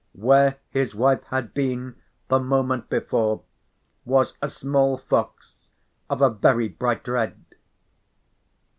_Where his wife had been the moment before was a small fox, of a very bright red.